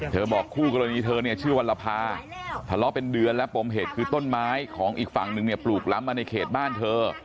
บอกคู่กรณีเธอเนี่ยชื่อวัลภาทะเลาะเป็นเดือนแล้วปมเหตุคือต้นไม้ของอีกฝั่งนึงเนี่ยปลูกล้ำมาในเขตบ้านเธอ